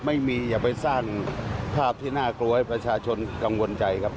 อย่าไปสร้างภาพที่น่ากลัวให้ประชาชนกังวลใจครับ